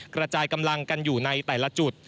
กระจายกำลังกันอยู่ในแต่ละจุด